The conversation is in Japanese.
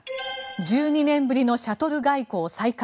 １２年ぶりのシャトル外交再開。